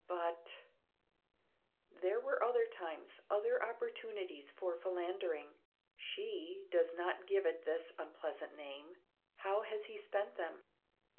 But There were other times, other opportunities for philandering (she does not give it this unpleasant name); how has he spent them?